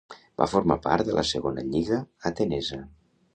Va formar part de la Segona Lliga atenesa.